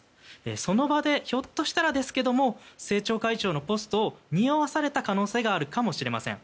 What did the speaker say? その場でひょっとしたらですけれども政調会長のポストをにおわされた可能性もあるかもしれません。